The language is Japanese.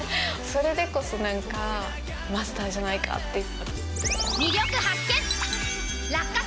それでこそ、なんかマスターじゃないかって。